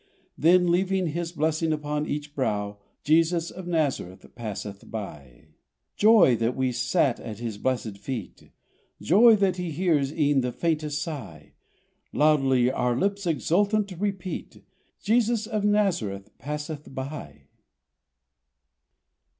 Then leaving His blessing upon each brow Jesus of Nazareth passeth by! Joy that we sat at His blesséd feet! Joy that He hears e'en the faintest sigh! Loudly our lips exultant repeat "Jesus of Nazareth passeth by!"